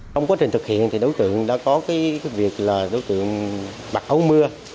trong quá trình thực hiện thì đối tượng đã có cái việc là đối tượng bạc ống mưa